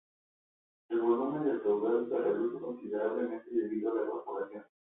El volumen del caudal se reduce considerablemente debido a la evaporación.